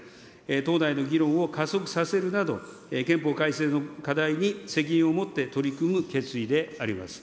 とうだいの議論を加速させるなど、憲法改正の課題に責任を持って取り組む決意であります。